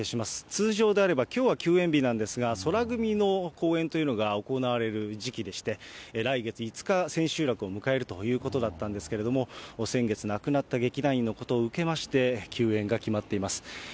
通常であればきょうは休演日なんですが、宙組の公演というのが行われる時期でして、来月５日、千秋楽を迎えるということだったんですけれども、先月亡くなった劇団員のことを受けまして、休演が決まっています。